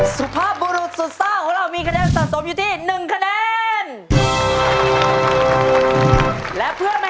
สุภาพบุรุษสุดซ่าของเรามีคะแนนสะสมอยู่ที่๑คะแนน